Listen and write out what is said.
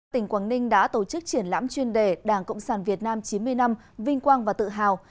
tỉnh quảng ninh đã tổ chức triển lãm chuyên đề đảng cộng sản việt nam chín mươi năm vinh quang và tự hào